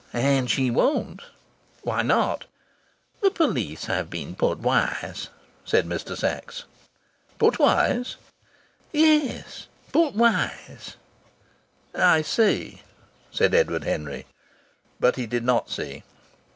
And she won't!" "Why not?" "The police have been put wise," said Mr. Sachs. "Put wise?" "Yes. Put wise!" "I see," said Edward Henry. But he did not see.